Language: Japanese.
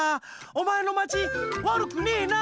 おまえのまちわるくねえな。でしょ？